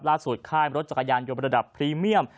ล่าศูนย์ค่ายรถจักรยานอยู่ประดับพรีเมียม